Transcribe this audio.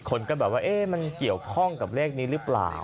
คนก็แบบว่ามันเกี่ยวข้องกับเลขนี้หรือเปล่า